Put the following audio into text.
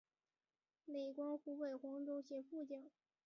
累官湖北黄州协副将。